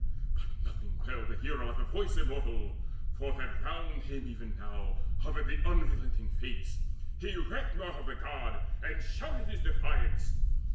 But nothing quailed the hero at the voice Immortal, for that round him even now Hovered the unrelenting Fates. He recked Naught of the God, and shouted his defiance.